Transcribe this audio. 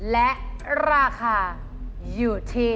และราคาอยู่ที่